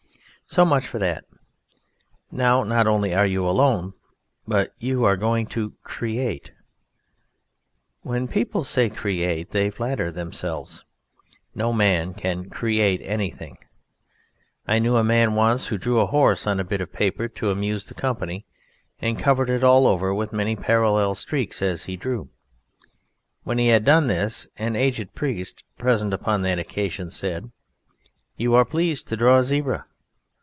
So much for that. Now not only are you alone, but you are going to "create". When people say "create" they flatter themselves. No man can create anything. I knew a man once who drew a horse on a bit of paper to amuse the company and covered it all over with many parallel streaks as he drew. When he had done this, an aged priest (present upon that occasion) said, "You are pleased to draw a zebra."